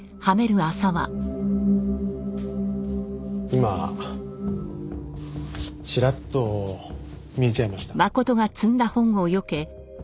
今ちらっと見えちゃいました。